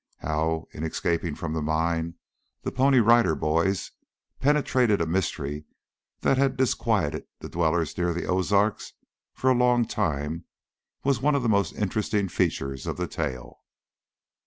How, in escaping from the mine, the Pony Rider Boys penetrated a mystery that had disquieted the dwellers near the Ozarks for a long time, was one of the most interesting features of the tale.